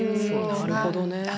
なるほどね。